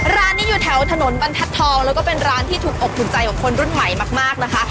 ร้านนี้อยู่แถวถนนบรรทัศน์ทองแล้วก็เป็นร้านที่ถูกอกถูกใจของคนรุ่นใหม่มากนะคะ